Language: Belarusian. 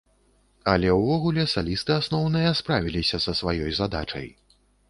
Але ўвогуле салісты асноўныя справіліся са сваёй задачай.